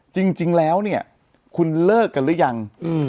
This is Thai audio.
จริงแล้วเนี่ยคุณเลิกกันหรือยัง